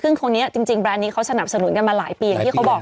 ครึ่งคนนี้เขาสนับสนุนมาหลายปี